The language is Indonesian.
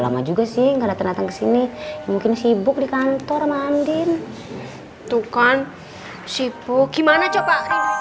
lama juga sih nggak datang kesini mungkin sibuk di kantor mandin tuh kan sibuk gimana coba